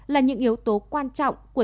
là những yếu tố quan trọng của